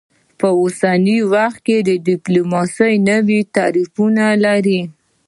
په اوسني وخت کې ډیپلوماسي نوي تعریفونه لري